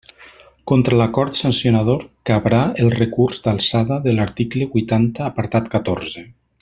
Contra l'acord sancionador cabrà el recurs d'alçada de l'article huitanta apartat catorze.